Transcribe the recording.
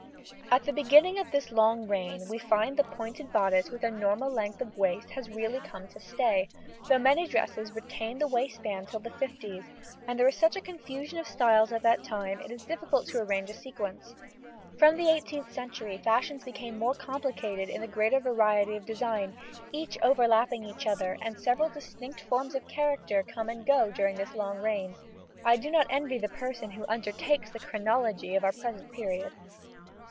1845 1855.] At the beginning of this long reign we find the pointed bodice with a normal length of waist has really come to stay, though many dresses retain the waistband till the fifties, and there is such a confusion of styles at that time, it is difficult to arrange a sequence. From the 18th century fashions became more complicated in the greater variety of design, each overlapping the other, and several distinct forms of character come and go during this long reign. I do not envy the person who undertakes the chronology of our present period.